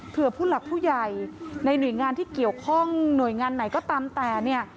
เพื่อผู้หลักผู้ใหญ่ในหน่วยงานที่เกี่ยวข้องหน่วยงานไหนก็ตามแต่เนี่ย